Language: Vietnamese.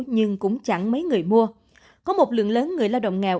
nhưng cũng chẳng mấy người mua có một lượng lớn người lao động nghèo